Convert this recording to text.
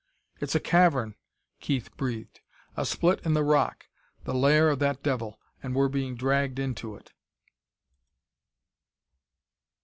"It's a cavern!" Keith breathed. "A split in the rock the lair of that devil. And we're being dragged into it!"